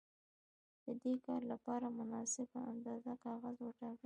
د دې کار لپاره مناسبه اندازه کاغذ وټاکئ.